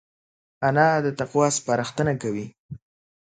انا د تقوی سپارښتنه کوي